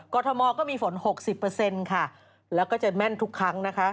ทมก็มีฝน๖๐ค่ะแล้วก็จะแม่นทุกครั้งนะคะ